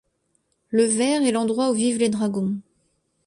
Le weyr est l'endroit où vivent les dragons.